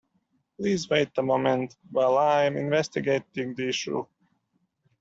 Please wait a moment while I am investigating the issue.